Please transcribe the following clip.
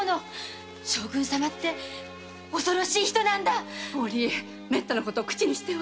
将軍様って恐ろしい人。